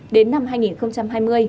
đến năm hai nghìn hai mươi